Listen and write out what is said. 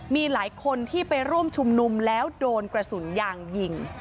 มีหลายคนที่ไปร่วมชุมนุมแล้วโดนกระสุนยางยิง